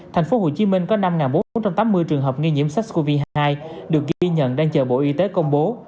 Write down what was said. thành phố hồ chí minh có năm bốn trăm tám mươi trường hợp nghi nhiễm sars cov hai được ghi nhận đang chờ bộ y tế công bố